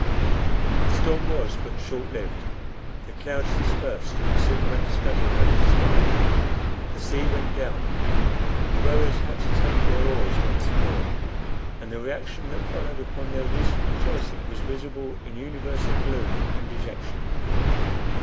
The storm was but short lived; the clouds dispersed, and soon went scudding over the sky; the sea went down. The rowers had to take their oars once more, and the reaction that followed upon their recent rejoicing was visible in universal gloom and dejection.